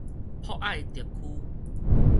博愛特區